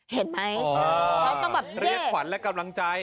เห็นไหมเขาต้องแบบเรียกขวัญและกำลังใจ